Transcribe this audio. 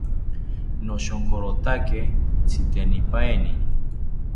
Noshokorotake tzitenipaeteni